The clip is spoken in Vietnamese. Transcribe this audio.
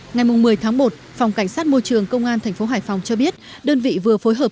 ngày một mươi tháng một phòng cảnh sát môi trường công an tp hải phòng cho biết đơn vị vừa phối hợp